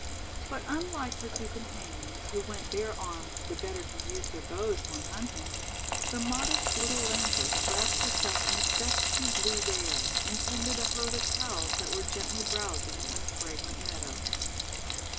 But unlike her two companions, who went bare armed the better to use their bows when hunting, the modest little lanthis wrapped her self in a dusky blue veil, and tended a herd of Cows that were gently browsing in a fragrant meadow.